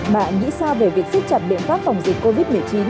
bạn nghĩ sao về việc siết chặt biện pháp phòng dịch covid một mươi chín